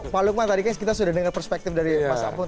pak lukman tadi kita sudah dengar perspektif dari pak sapung